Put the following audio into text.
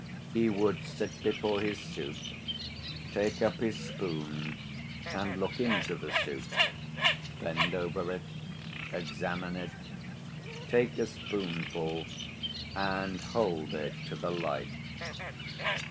He would sit before his soup, take up his spoon and look into the soup, bend over it, examine it, take a spoonful and hold it to the light.